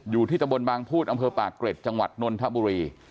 อยู่ที่ตะบนบางพูดอำเภอปากเกร็ดจังหวัดนนทบุรี